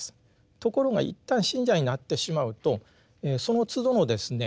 ところが一旦信者になってしまうとそのつどのですね